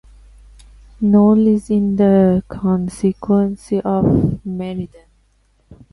Knowle is in the constituency of Meriden.